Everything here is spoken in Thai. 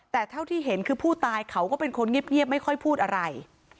แต่เท่าที่เห็นคือผู้ตายเขาก็เป็นคนเงียบไม่ค่อยพูดอะไร